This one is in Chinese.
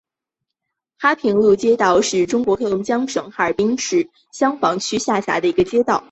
哈平路街道是中国黑龙江省哈尔滨市香坊区下辖的一个街道。